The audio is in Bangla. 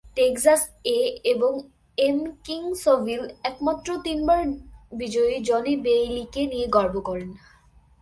টেক্সাস এ এবং এম-কিংসভিল একমাত্র তিনবার বিজয়ী জনি বেইলীকে নিয়ে গর্ব করে।